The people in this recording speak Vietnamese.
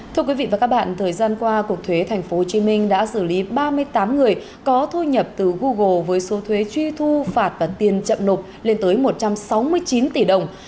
thưa quý vị và các bạn thời gian qua cục thuế tp hcm đã xử lý ba mươi tám người có thu nhập từ google với số thuế truy thu phạt và tiền chậm nộp lên tới một trăm sáu mươi chín tỷ đồng